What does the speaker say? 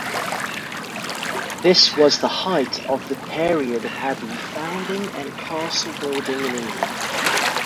This was the height of the period of abbey founding and castle-building in England.